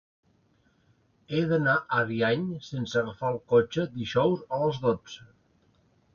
He d'anar a Ariany sense agafar el cotxe dijous a les dotze.